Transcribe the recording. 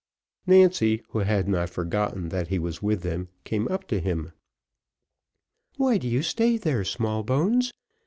Nancy, who had not forgotten that he was with them, came up to him. "Why do you stay there, Smallbones?